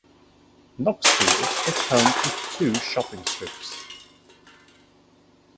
Knoxfield is home to two shopping strips.